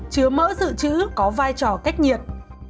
chứa mỡ dự trữ có vai trò cách nhiệt